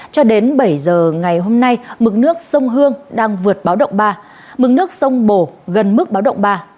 cho đến bảy giờ ngày hôm nay mực nước sông hương đang vượt báo động ba mực nước sông bồ gần mức báo động ba